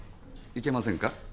いけませんか？